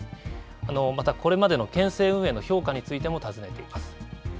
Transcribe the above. またこれまでの県政運営の評価についても尋ねています。